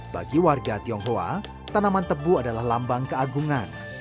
bagi warga tionghoa tanaman tebu adalah lambang keagungan